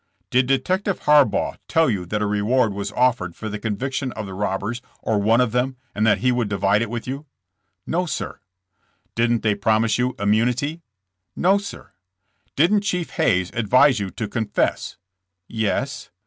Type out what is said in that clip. *'Did Detective Harbaugh tell you that a reward was offered for the conviction of the robbers or one of them, and that he would divide it with you ?'' ''No, sir." ''Didn't they promise you immunity?" "No, sir." "Didn't Chief Hayes advise you to confess?" "Yes."